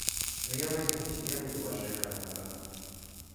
Но я возьмусь, я буду ваша экономка.